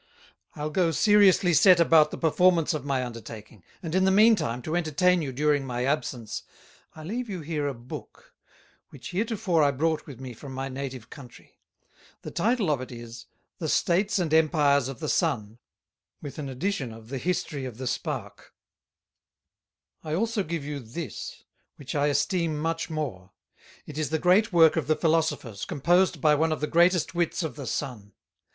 I'll go seriously set about the performance of my Undertaking; and in the mean time, to entertain you, during my Absence, I leave you here a Book, which heretofore I brought with me from my Native Countrey; the Title of it is, The States and Empires of the Sun, with an Addition of the History of the Spark. I also give you this, which I esteem much more; it is the great Work of the Philosophers, composed by one of the greatest Wits of the Sun.